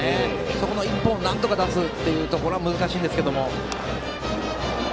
その１本をなんとか出すというところは難しいんですけども。